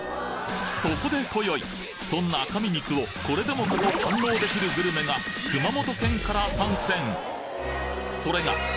そこで今宵そんな赤身肉をこれでもかと堪能できるグルメが熊本県から参戦